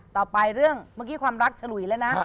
ต่อไปเรื่องเมื่อกี้ความรักฉลุยแล้วนะ